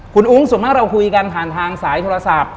คุณอุ้งส่วนมากเราคุยกันผ่านทางสายโทรศัพท์